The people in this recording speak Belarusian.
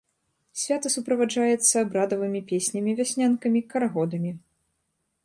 Свята суправаджаецца абрадавымі песнямі-вяснянкамі, карагодамі.